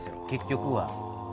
結局は。